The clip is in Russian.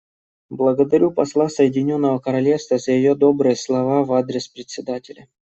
Благодарю посла Соединенного Королевства за ее добрые слова в адрес Председателя.